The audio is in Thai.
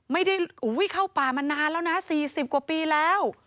ไม่ได้เข้าป่ามานานแล้วนะ๔๐กว่าปีแล้ว